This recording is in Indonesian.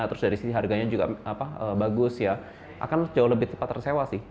terus dari sisi harganya juga bagus ya akan jauh lebih cepat tersewa sih